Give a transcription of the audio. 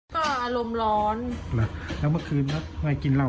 เธอก็ขึ้นมาอยู่แค่ไม่ถึงเดือนนะ